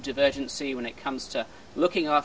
ketika kita memiliki kebijakan kita harus memiliki kebijakan